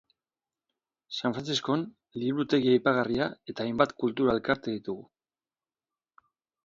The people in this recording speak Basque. San Frantziskon liburutegi aipagarria eta hainbat kultura elkarte ditugu.